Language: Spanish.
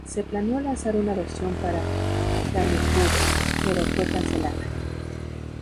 Se planeó lanzar una versión para Gamecube pero fue cancelada.